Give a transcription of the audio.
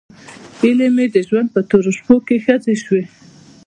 هیلې مې د ژوند په تورو شپو کې ښخې شوې.